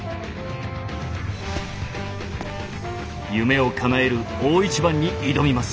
夢をかなえる大一番に挑みます。